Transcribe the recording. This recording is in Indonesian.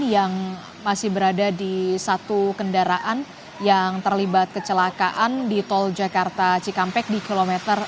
yang masih berada di satu kendaraan yang terlibat kecelakaan di tol jakarta cikampek di kilometer tiga puluh